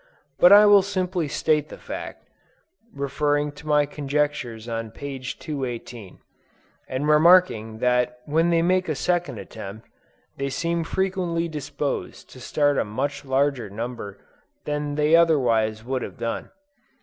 But I will simply state the fact, referring to my conjectures on page 218; and remarking that when they make a second attempt, they seem frequently disposed to start a much larger number than they otherwise would have done.